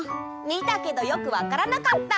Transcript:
みたけどよくわからなかった！